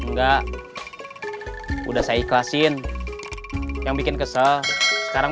gak ada orang yang nyerang